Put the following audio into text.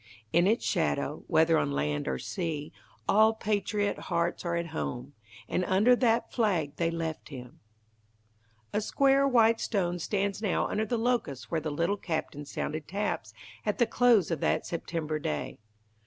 In its shadow, whether on land or sea, all patriot hearts are at home, and under that flag they left him. A square white stone stands now under the locust where the Little Captain sounded taps at the close of that September day.